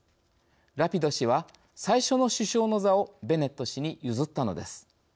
ラピド氏は、最初の首相の座をベネット氏に譲ったのです。